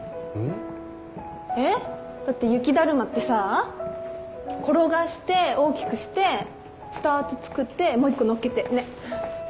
えっだって雪だるまってさ転がして大きくして２つ作ってもう一個載っけてねっ。